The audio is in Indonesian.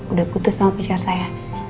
udah putus sama pcr saya